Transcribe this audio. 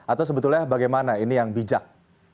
atau sebetulnya bagaimana ini yang bijak